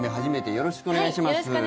よろしくお願いします。